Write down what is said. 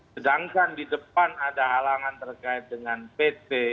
sedangkan di depan ada halangan terkait dengan pt